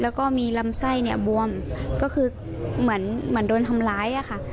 แล้วก็มีลำไส้เนี่ยบวมก็คือเหมือนเหมือนโดนทำร้ายอะค่ะ